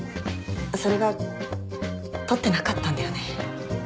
それが撮ってなかったんだよね。